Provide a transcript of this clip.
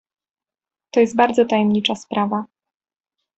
"To jest bardzo tajemnicza sprawa."